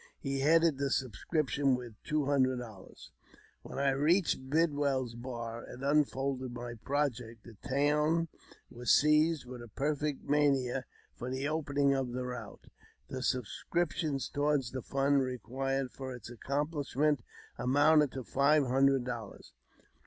He headed the subscription with two hundred dollars. When I reached Bidwell's Bar and unfolded my project, the town was seized with a perfect mania for the opening of the route. ' The subscriptions toward the fund required for its accomplishment amounted to five hundred dollars.